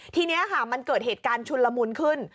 ทีนี้ค่ะมันเกิดเหตุการณ์ชุนละมุนขึ้น